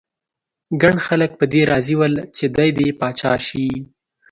ګڼ خلک په دې راضي ول چې دی دې پاچا شي.